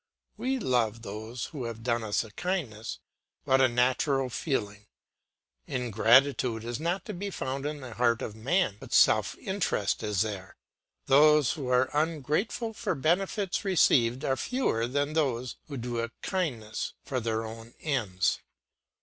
We love those who have done us a kindness; what a natural feeling! Ingratitude is not to be found in the heart of man, but self interest is there; those who are ungrateful for benefits received are fewer than those who do a kindness for their own ends.